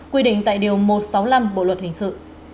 quy định tại điều một trăm sáu mươi năm bộ luật hình sự